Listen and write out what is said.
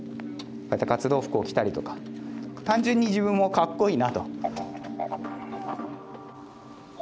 こうやって活動服を着たりとか単純に自分もかっこいいなと。